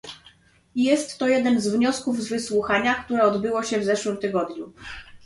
Jest to jeden z wniosków z wysłuchania, które odbyło się w zeszłym tygodniu